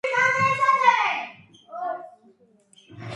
ამავე დროს მოხდა სახლის გაფართოება და მიაშენეს ახალი ნაგებობები.